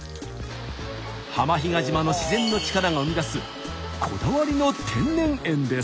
浜比嘉島の自然の力が生み出すこだわりの天然塩です。